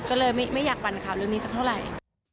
ก็เลยไม่อยากปั่นข่าวเรื่องนี้สักเท่าไหร่